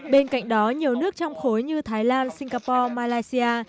bên cạnh đó nhiều nước trong khối như thái lan singapore malaysia